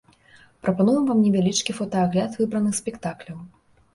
Прапануем вам невялічкі фотаагляд выбраных спектакляў.